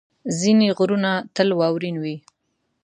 ځینې غرونه تل واورین وي.